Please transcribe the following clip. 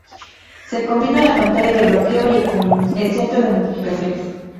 Se combinan la pantalla de bloqueo y el centro de notificaciones.